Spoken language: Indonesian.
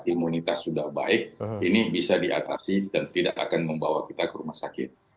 imunitas sudah baik ini bisa diatasi dan tidak akan membawa kita ke rumah sakit